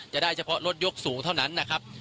จะได้เฉพาะรถยกสูงเท่านั้นนะครับ